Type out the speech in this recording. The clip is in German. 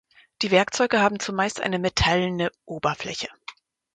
Die Werkzeuge haben zumeist eine metallene Oberfläche.